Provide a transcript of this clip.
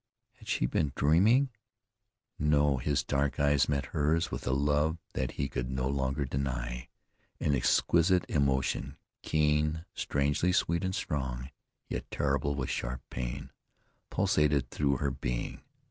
Had she been dreaming? No; his dark eyes met hers with a love that he could no longer deny. An exquisite emotion, keen, strangely sweet and strong, yet terrible with sharp pain, pulsated through her being.